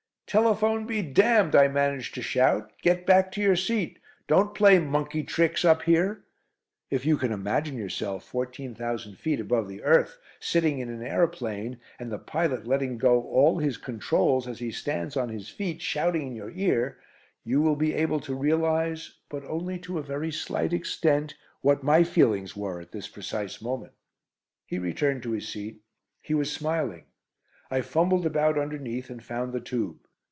"Telephone be damned!" I managed to shout. "Get back to your seat. Don't play monkey tricks up here." If you can imagine yourself fourteen thousand feet above the earth, sitting in an aeroplane, and the pilot letting go all his controls, as he stands on his feet shouting in your ear, you will be able to realise, but only to a very slight extent, what my feelings were at this precise moment. He returned to his seat. He was smiling. I fumbled about underneath and found the tube.